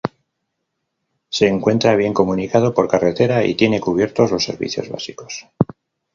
Se encuentra bien comunicado por carretera y tiene cubiertos los servicios básicos.